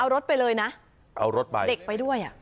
เอารถไปเลยนะเอารถไปเด็กไปด้วย